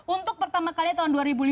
untuk pertama kali tahun dua ribu lima